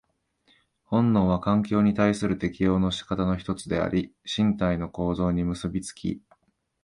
本能は環境に対する適応の仕方の一つであり、身体の構造に結び付き、